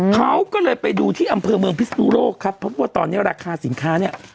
เขาก็เลยไปดูที่อำเภอเมืองพิศนุโลกครับเพราะว่าตอนนี้ราคาสินค้าเนี่ย